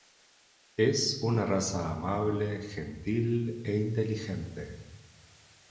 Es una raza amable, gentil e inteligente.